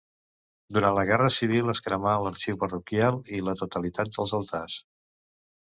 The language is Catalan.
Durant la Guerra Civil es cremà l'arxiu parroquial i la totalitat dels altars.